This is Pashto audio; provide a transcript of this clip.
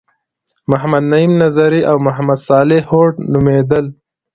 محمد نعیم نظري او محمد صالح هوډ نومیدل.